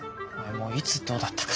もういつどうだったか。